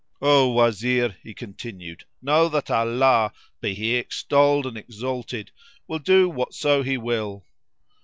"O Wazir," he continued, "know that Allah (be He extolled and exalted!) will do whatso He will!"